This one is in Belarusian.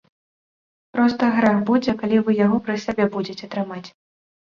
Проста грэх будзе, калі вы яго пры сабе будзеце трымаць.